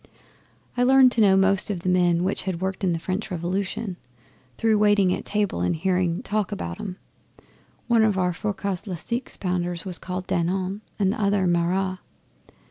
I learned to know most of the men which had worked the French Revolution, through waiting at table and hearing talk about 'em. One of our forecas'le six pounders was called Danton and t'other Marat.